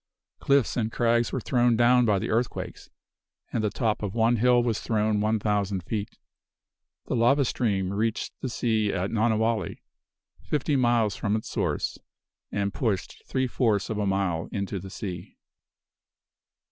Cliffs and crags were thrown down by the earthquakes, and the top of one hill was thrown one thousand feet. The lava stream reached the sea at Nanawale, fifty miles from its source, and pushed three fourths of a mile into the sea.